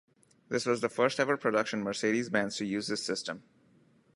This was the first ever production Mercedes-Benz to use this system.